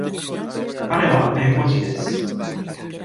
彼は弁護士です。